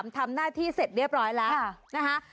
ทำหน้าที่เสร็จเรียบร้อยแล้วนะคะ